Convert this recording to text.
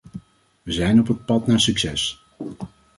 We zijn op het pad naar succes.